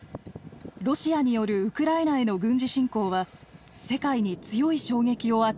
ロシアによるウクライナへの軍事侵攻は世界に強い衝撃を与えました。